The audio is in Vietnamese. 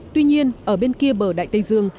tuy nhiên ở bên kia bờ đại tây dương